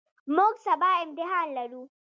موږ سبا امتحان لرو.